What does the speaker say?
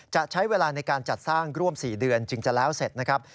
จะใช้เวลาในการจัดสร้างร่วม๔เดือนจึงจะแล้วเสร็จนะครับ